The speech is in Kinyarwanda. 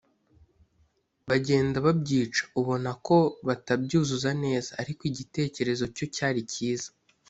bagenda babyica ubona ko batabyuzuza neza ariko igitekezo cyo cyari cyiza